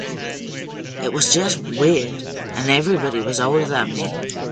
It was just "weird", and everybody was older than me.